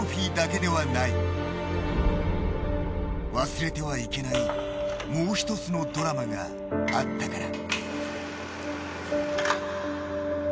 忘れてはいけないもう１つのドラマがあったから。